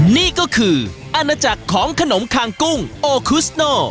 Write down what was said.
นี่ก็คืออาณาจักรของขนมคางกุ้งโอคุสโน